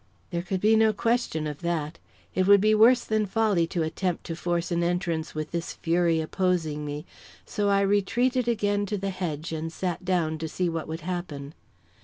There could be no question of that; it would be worse than folly to attempt to force an entrance with this fury opposing me, so I retreated again to the hedge and sat down to see what would happen.